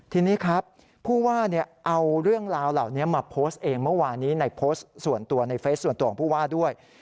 ทีนี้ครับผู้ว่าเอาเรื่องราวเหล่านี้มาโพสต์เองเมื่อวานี้ในโพสต์ส่วนตัวในเฟสส่วนตัวของผู้ว่าด้วย